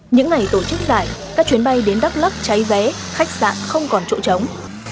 những ngày tổ chức giải các chuyến bay đến đắk lắc cháy vé khách sạn không còn chỗ trống